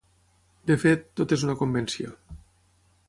De fet, tot és una convenció.